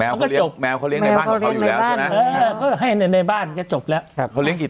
แมวเขาเรียงในบ้านของเขาอยู่แล้วใช่ไหม